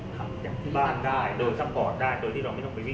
ก็รักษาตัวอย่างเดียวแล้วก็ตอนนี้อย่างเดียว